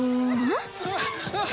えっ？